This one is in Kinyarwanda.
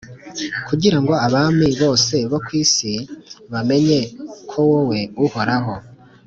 kugira ngo abami bose bo ku isi bamenye ko wowe, Uhoraho,